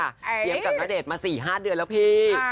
เตรียมกับณเดชน์มา๔๕เดือนแล้วพี่